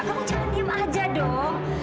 kamu jangan diem aja dong